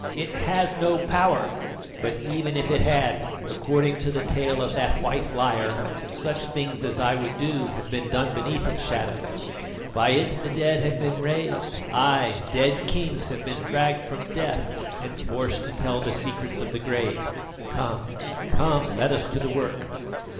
It has no power; but even if it had, according to the tale of that white liar, such things as I would do have been done beneath its shadow. By it the dead have been raised ay! dead kings have been dragged from death and forced to tell the secrets of the grave. Come, come, let us to the work."